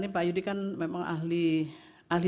pak ayudi kan memang ahli